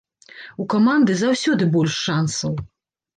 У каманды заўсёды больш шансаў.